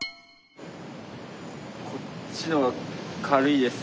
こっちの方が軽いです。